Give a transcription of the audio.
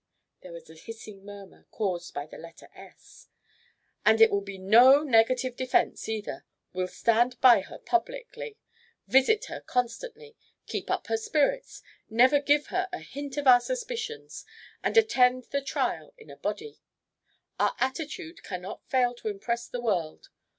There was a hissing murmur caused by the letter s. "And it will be no negative defence, either. We'll stand by her publicly, visit her constantly, keep up her spirits, never give her a hint of our suspicions, and attend the trial in a body. Our attitude cannot fail to impress the world.